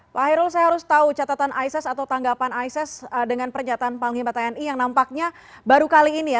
pak hairul saya harus tahu catatan isis atau tanggapan isis dengan pernyataan panglima tni yang nampaknya baru kali ini ya